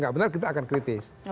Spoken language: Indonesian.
tidak benar kita akan kritis